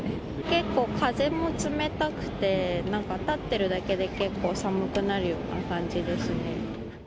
結構風も冷たくて、なんか、立っているだけで結構寒くなるような感じですね。